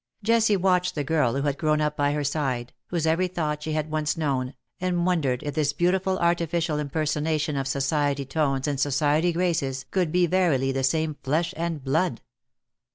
Jessie watched the girl who had grown up by her side, whose every thought she had once known, and wondered if this beautiful artificial impersonation of society tones and society graces could be verily the same flesh and blood.